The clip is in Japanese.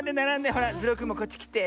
ほらズルオくんもこっちきて。